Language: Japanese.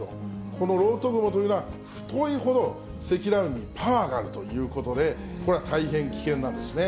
この漏斗雲というのは、太いほど積乱雲にパワーがあるということで、これは大変危険なんですね。